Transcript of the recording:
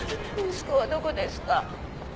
息子はどこですか？